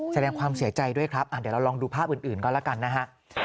แสดงความเสียใจด้วยครับเดี๋ยวเราลองดูภาพอื่นก็แล้วกันนะฮะ